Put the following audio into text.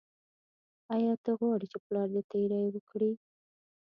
ایا ته غواړې چې پلار دې تیری وکړي.